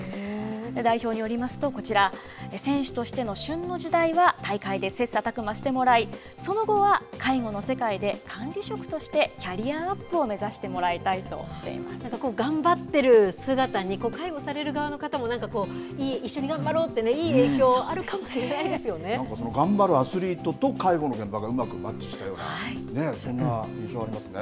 代表によりますとこちら、選手としての旬の時代は大会で切さたく磨してもらい、その後は、介護の世界で管理職としてキャリアアップを目指してもらいたいと頑張ってる姿に、介護される側の人も、なんかこう、一緒に頑張ろうって、いい影響あその頑張るアスリートと介護の現場がうまくマッチしたようなそんな印象ありますね。